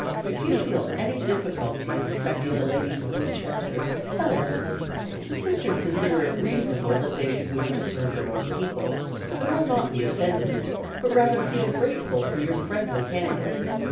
If you feel any difficulty respecting the ladies of Winchester tell us. The Sisters consider it reasonable that they should wish to serve their own people, and will not be offended, but rather feel grateful for your friendly candor."